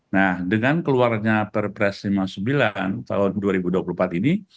nah dengan keluarnya perpres lima puluh sembilan tahun dua ribu dua puluh empat ini